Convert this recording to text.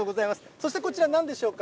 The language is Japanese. そしてこちらなんでしょうか。